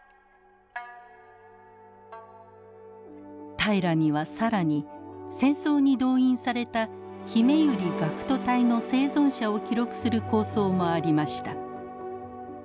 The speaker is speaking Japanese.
平良には更に戦争に動員されたひめゆり学徒隊の生存者を記録する構想もありました。